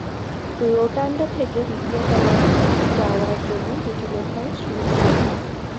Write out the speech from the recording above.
Rotunda থেকে দ্বিতীয় তলায় যাওয়ার জন্য দুটি লোহার সিঁড়ি ছিল।